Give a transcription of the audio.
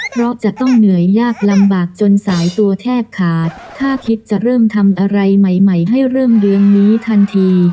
เพราะจะต้องเหนื่อยยากลำบากจนสายตัวแทบขาดถ้าคิดจะเริ่มทำอะไรใหม่ใหม่ให้เริ่มเดือนนี้ทันที